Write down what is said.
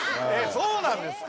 そうなんですか？